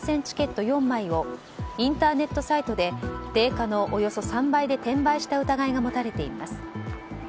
チケット４枚をインターネットサイトで定価のおよそ３倍で転売した疑いが持たれています。